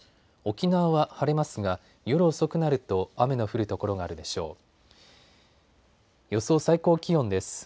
沖縄は晴れますが夜遅くなると雨の降る所があるでしょう。